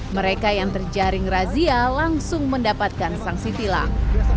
mereka yang terjaring razia langsung mendapatkan sanksi tilang